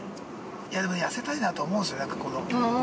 いや、でも痩せたいなと思うんですよ。